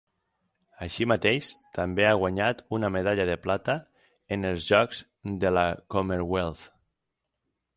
Així mateix també ha guanyat una medalla de plata en els Jocs de la Commonwealth.